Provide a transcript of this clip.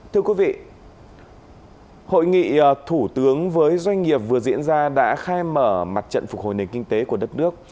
thưa quý vị hội nghị thủ tướng với doanh nghiệp vừa diễn ra đã khai mở mặt trận phục hồi nền kinh tế của đất nước